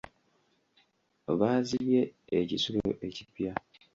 Baazibye ekisulo ekipya.